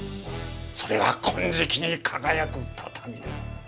それは金色に輝く畳だ。